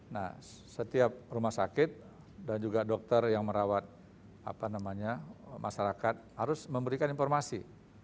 nah setiap rumah sakit dan juga dokter yang merawat masyarakat harus memberikan informasi